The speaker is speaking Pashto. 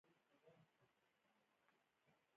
نور یې هم هڅول.